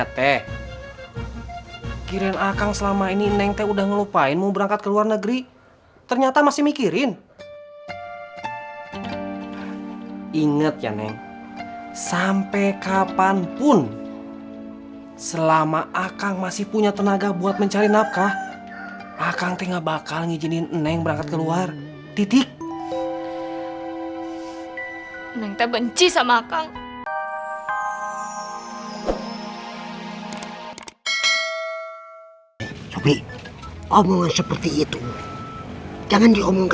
tidak ada yang bisa dipercaya